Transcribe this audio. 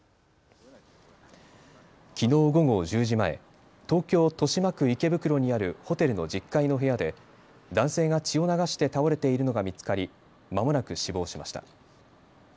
きのう午後１０時前、東京豊島区池袋にあるホテルの１０階の部屋で男性が血を流して倒れているのが見つかりまもなく死亡しました。